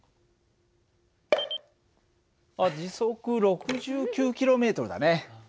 あっ時速６９ｋｍだね。